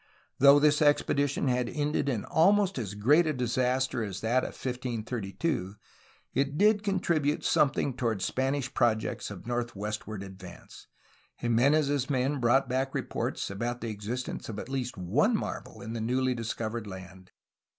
Though this expedition had ended in almost as great a disaster as that of 1532, it did contribute something toward Spanish projects of northwestward advance. Jim^nez^s men brought back reports about the existence of at least one marvel in the newly discovered land.